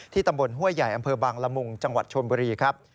ตำบลห้วยใหญ่อำเภอบางละมุงจังหวัดชนบุรีครับ